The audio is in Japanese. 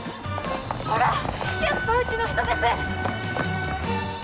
ほらやっぱうちの人です！